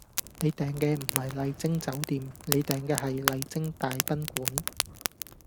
你訂嘅唔係麗晶酒店，你訂嘅係麗晶大賓館